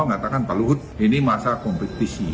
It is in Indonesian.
mengatakan pak luhut ini masa kompetisi